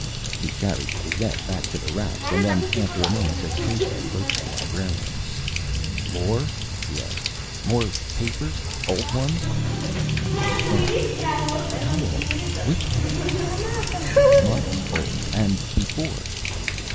He carried the Gazette back to the racks and then, after a moment's hesitation, approached the librarian. "More?" he asked. "More papers. Old ones?" She frowned. "How old? Which papers?" "Months old. And before."